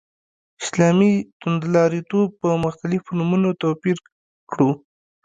اسلامي توندلاریتوب په مختلفو نومونو توپير کړو.